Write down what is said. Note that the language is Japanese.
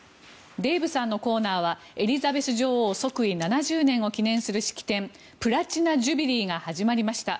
デーブさんのコーナーではエリザベス女王の即位７０年を記念する式典プラチナ・ジュビリーが始まりました。